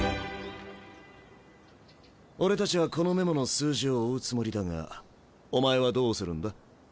俺たちはこのメモの数字を追うつもりだがお前はどうするんだ？